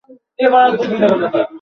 Radio transmitter কাজ করছে।